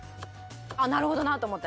「なるほどな」と思った。